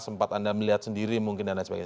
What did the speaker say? sempat anda melihat sendiri mungkin dan lain sebagainya